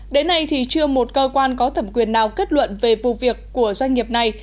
đến nay thì chưa một cơ quan có thẩm quyền nào kết luận về vụ việc của doanh nghiệp này